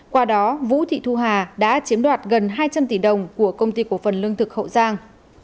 qua đó vũ thị thu hà đã chiếm đoạt gần hai trăm linh tỷ đồng của công ty cổ phần lương thực hậu giang